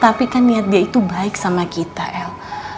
tapi kan niat dia itu baik sama kita el